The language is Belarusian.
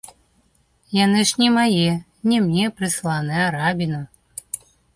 Яны ж не мае, не мне прысланыя, а рабіну.